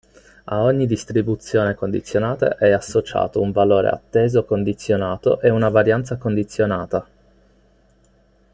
A ogni distribuzione condizionata è associato un valore atteso condizionato e una varianza condizionata.